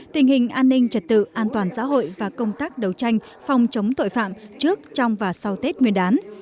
tình hình an ninh trật tự an toàn xã hội và công tác đấu tranh phòng chống tội phạm trước trong và sau tết nguyên đán